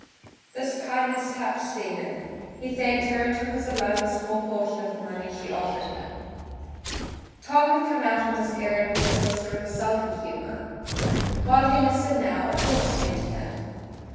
This kindness touched Stephen. He thanked her and took as a loan a small portion of the money she offered him. Tom had come on this errand with his sister in a sulky humor. While he listened now a thought came to him.